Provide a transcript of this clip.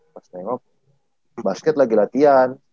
pas nengok basket lagi latihan